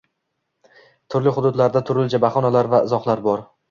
Turli hududlarda turlicha bahonalar va izohlar bor.